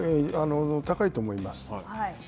高いと思います。